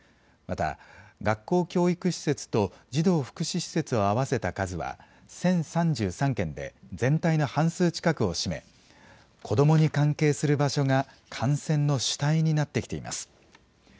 また、学校・教育施設と、児童福祉施設を合わせた数は１０３３件で、全体の半数近くを占め、子どもに関係する場所が感染の主体になってきています。